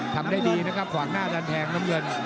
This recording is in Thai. ทำได้ดีนะครับขวางหน้าดันแทงน้ำเงิน